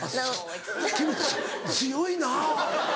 君強いな！